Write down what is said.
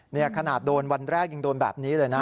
นี่ขนาดโดนวันแรกยังโดนแบบนี้เลยนะ